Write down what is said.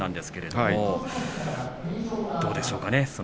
どうでしょうか。